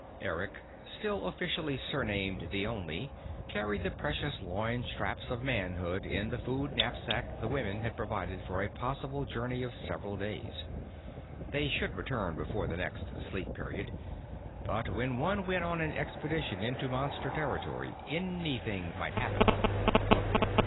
Eric, still officially surnamed the Only, carried the precious loin straps of manhood in the food knapsack the women had provided for a possible journey of several days. They should return before the next sleep period, but when one went on an expedition into Monster territory anything might happen.